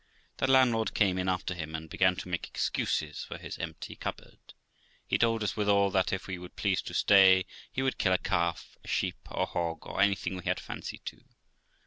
The landlord came in after him and began to make excuses for his empty cupboard. He told us, withal, that if we would please to stay, he would kill a calf, a sheep, a hog, or anything we had a fancy to.